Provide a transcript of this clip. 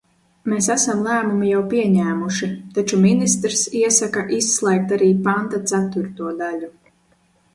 Mēs esam lēmumu jau pieņēmuši, taču ministrs iesaka izslēgt arī panta ceturto daļu.